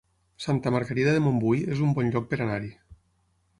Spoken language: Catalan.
Santa Margarida de Montbui es un bon lloc per anar-hi